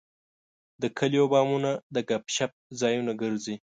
د کلیو بامونه د ګپ شپ ځایونه ګرځي.